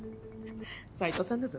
斎藤さんだぞ！